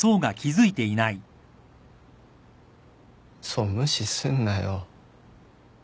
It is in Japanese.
想無視すんなよ。